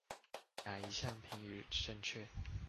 哪一項評語正確？